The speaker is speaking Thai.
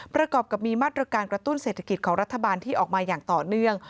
ประกอบกับมีมาตรการกระตุ้นเศรษฐกิจของรัฐบาลที่ออกมาอย่างต่อเนื่อง